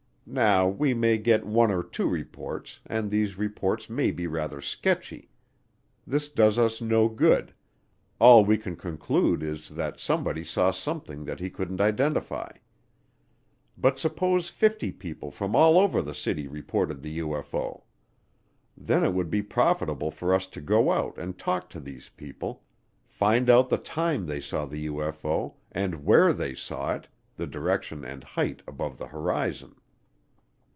Now we may get one or two reports, and these reports may be rather sketchy. This does us no good all we can conclude is that somebody saw something that he couldn't identify. But suppose fifty people from all over the city report the UFO. Then it would be profitable for us to go out and talk to these people, find out the time they saw the UFO, and where they saw it (the direction and height above the horizon).